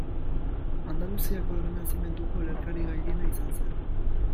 Andaluziako Errenazimentuko olerkari gailena izan zen.